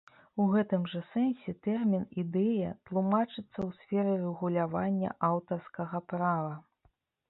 У гэтым жа сэнсе тэрмін ідэя тлумачыцца ў сферы рэгулявання аўтарскага права.